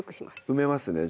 埋めますね